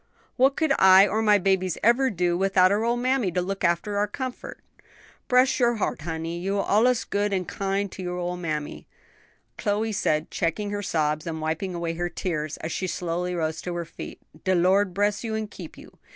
What could I or my babies ever do without our old mammy to look after our comfort!" "Bress your heart, honey, you'se allus good an' kind to your ole mammy," Chloe said, checking her sobs and wiping away her tears, as she slowly rose to her feet; "de Lord bress you an' keep you.